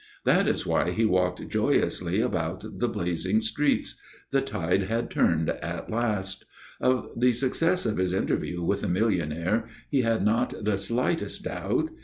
That was why he walked joyously about the blazing streets. The tide had turned at last. Of the success of his interview with the millionaire he had not the slightest doubt.